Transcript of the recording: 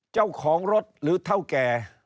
เจ้าของรถหรือเท่าแก่